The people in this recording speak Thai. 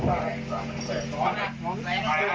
ติดเตียงได้ยินเสียงลูกสาวต้องโทรศัพท์ไปหาคนมาช่วย